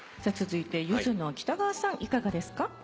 続いてゆずの北川さんいかがですか？